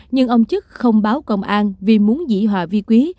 nhưng ông chức không báo công an vì muốn dĩ hòa vi quý